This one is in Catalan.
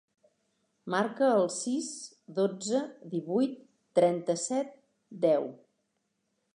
Marca el sis, dotze, divuit, trenta-set, deu.